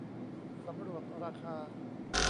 สำรวจราคา